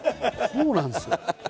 こうなんですよ。